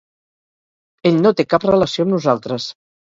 Ell no té cap relació amb nosaltres.